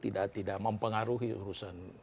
tapi saya kira itu tidak mempengaruhi urusan